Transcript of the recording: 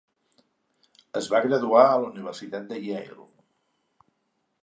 Es va graduar a la Universitat Yale.